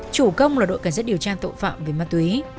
chủ công là đội cảnh sát điều tra tội phạm về ma túy